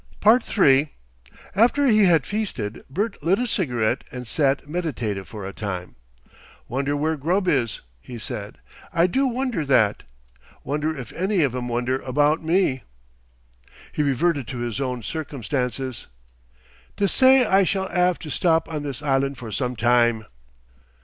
3 After he had feasted, Bert lit a cigarette and sat meditative for a time. "Wonder where Grubb is?" he said; "I do wonder that! Wonder if any of 'em wonder about me?" He reverted to his own circumstances. "Dessay I shall 'ave to stop on this island for some time."